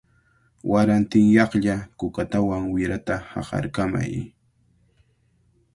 Warantinyaqlla kukatawan wirata haqarkamay.